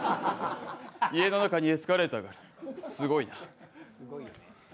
家の中にエスカレーターがあるすごいな。